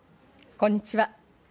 こんにちは。